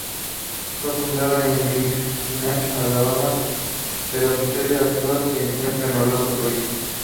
Fue fundada en Birmingham, Alabama, pero su sede actual se encuentra en Orlando, Florida.